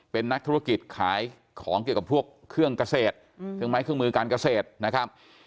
เป็นนักธุรกิจขายของเกี่ยวกับพวกเครื่องเกษตรเครื่องไม้เครื่องมือการเกษตรนะครับ